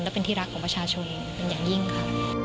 และเป็นที่รักของประชาชนเป็นอย่างยิ่งค่ะ